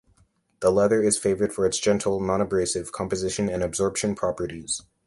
The leather is favored for its gentle, non-abrasive composition and absorption properties.